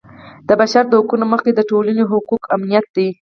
د بشر د حقونو موخه د ټولنې حقوقو امنیت دی.